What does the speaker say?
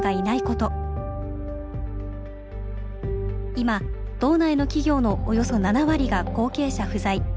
今道内の企業のおよそ７割が後継者不在。